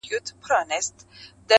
• ښوره زاره مځکه نه کوي ګلونه,